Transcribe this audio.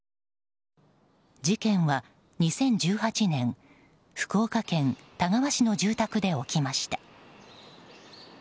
事件は２０１８年福岡県田川市の住宅で起きました。